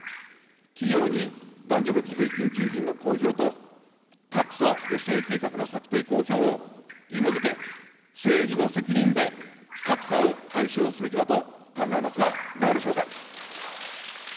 企業に男女別平均賃金の公表と格差是正計画の策定、公表を義務づけ、政治の責任で格差を解消すべきだと考えますが、いかがでしょうか。